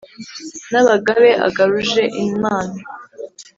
n’abagabe agaruje imana,